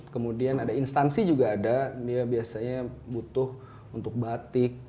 kemudian ada instansi juga ada dia biasanya butuh untuk batik